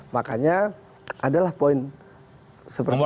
makanya adalah poin seperti ini